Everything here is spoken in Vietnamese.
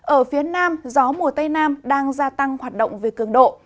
ở phía nam gió mùa tây nam đang gia tăng hoạt động về cường độ